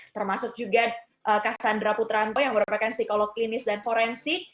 termasuk juga kassandra putranto yang merupakan psikolog klinis dan forensik